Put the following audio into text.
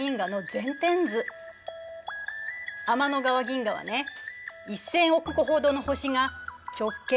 天の川銀河はね１，０００億個ほどの星が直径